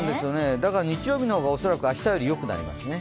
だから日曜日の方が恐らく明日よりよくなりますね。